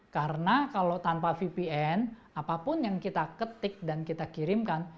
karena kalau tanpa vpn apapun yang kita ketik dan kita kirimkan